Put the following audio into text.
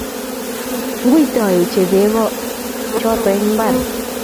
Nguitoi ochei beeko choto eng imbar